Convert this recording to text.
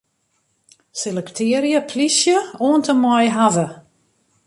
Selektearje 'plysje' oant en mei 'hawwe'.